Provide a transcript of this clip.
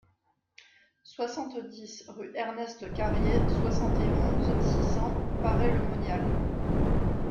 soixante-dix rue Ernest Carrier, soixante et onze, six cents, Paray-le-Monial